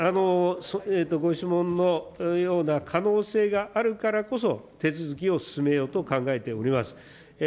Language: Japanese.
ご質問のような可能性があるからこそ、手続きを進めようと考えております。